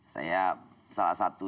saya salah satu